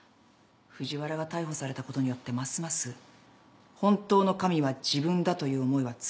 藤原が逮捕されたことによってますます本当の神は自分だという思いは強くなった。